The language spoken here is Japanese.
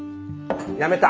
やめた。